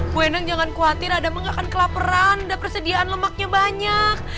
bu endang jangan khawatir adam enggak akan kelaperan ada persediaan lemaknya banyak